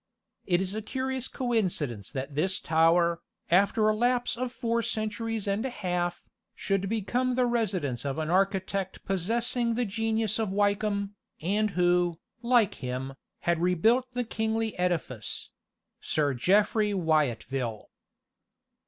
It is a curious coincidence that this tower, after a lapse of four centuries and a half, should become the residence of an architect possessing the genius of Wykeham, and who, like him, had rebuilt the kingly edifice SIR JEFFRY WYATVILLE.